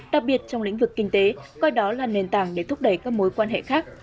đặc biệt trong lĩnh vực kinh tế coi đó là nền tảng để thúc đẩy các mối quan hệ khác